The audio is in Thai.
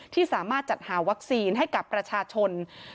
ที่สามารถจัดหาวัคซีนให้กับประชาชน